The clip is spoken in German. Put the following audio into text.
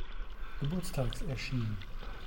Geburtstags erschien.